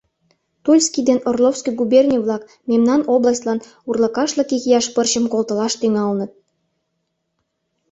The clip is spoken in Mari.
Тульский ден Орловский губерний-влак мемнан областьлан урлыкашлык икияш пырчым колтылаш тӱҥалыныт.